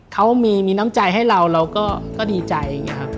เขามีน้ำใจให้เราเราก็ดีใจ